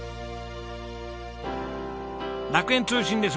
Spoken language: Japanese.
楽園通信です。